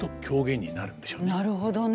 なるほどね。